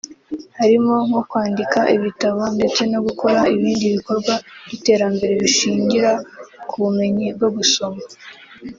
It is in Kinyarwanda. harimo nko kwandika ibitabo ndetse no gukora ibindi bikorwa by’iterambere bishingira ku bumenyi bwo gusoma